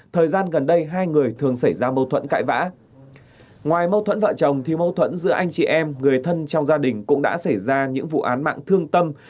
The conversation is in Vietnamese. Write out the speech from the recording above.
trong đồng thi mâu thuẫn giữa anh chị em người thân trong gia đình cũng đã xảy ra những vụ án mạng thương tâm